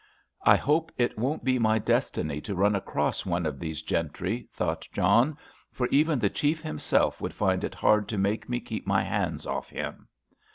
"I hope it won't be my destiny to run across one of these gentry," thought John; "for even the chief himself would find it hard to make me keep my hands off him."